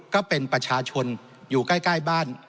ก็เป็นประชาชนอยู่ใกล้บ้าน